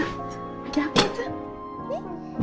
ada apa tuh